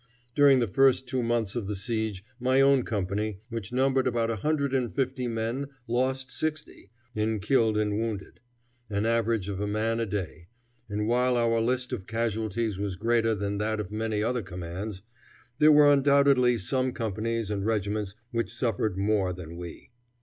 During the first two months of the siege my own company, which numbered about a hundred and fifty men, lost sixty, in killed and wounded, an average of a man a day, and while our list of casualties was greater than that of many other commands, there were undoubtedly some companies and regiments which suffered more than we.